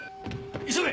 急げ！